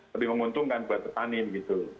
lebih menguntungkan buat petani begitu